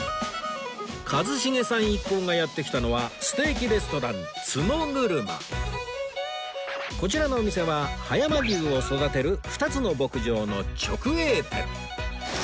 一茂さん一行がやって来たのはこちらのお店は葉山牛を育てる２つの牧場の直営店